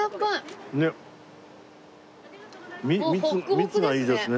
蜜がいいですね。